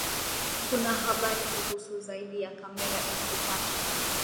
kuna habari kuhusu zaidi ya kamera elfu tatu